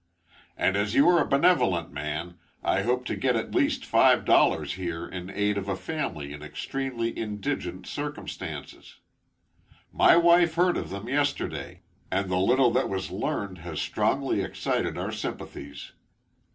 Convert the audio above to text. "And, as you are a benevolent man, I hope to get at least five dollars here in aid of a family in extremely indigent circumstances. My wife heard of them yesterday; and the little that was learned, has strongly excited our sympathies.